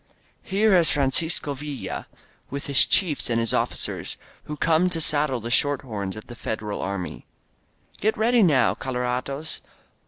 Here is Francisco Villa With his chiefs and his officers^ Who come to saddle the short horns Of the Federal Army. Get ready noWj colorados.